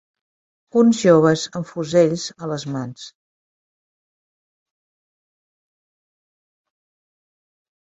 Uns joves, amb fusells a les mans